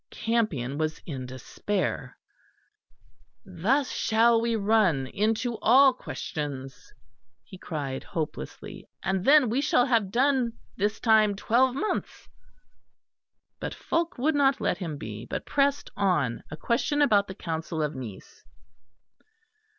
Campion was in despair. "Thus shall we run into all questions," he cried hopelessly, "and then we shall have done this time twelve months." But Fulke would not let him be; but pressed on a question about the Council of Nice.